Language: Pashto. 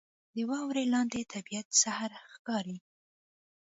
• د واورې لاندې طبیعت سحر ښکاري.